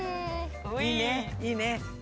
いいねいいね！